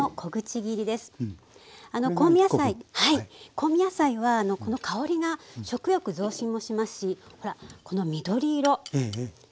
香味野菜はこの香りが食欲増進もしますしほらこの緑色。